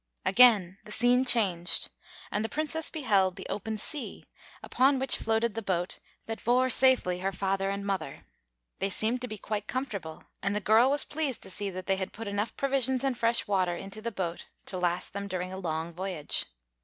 Again the scene changed, and the Princess beheld the open sea, upon which floated the boat that bore safely her father and mother. They seemed to be quite comfortable, and the girl was pleased to see that they had put enough provisions and fresh water into the boat to last them during a long voyage.